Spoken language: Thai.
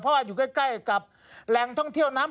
เพราะว่าอยู่ใกล้กับแหล่งท่องเที่ยวน้ำ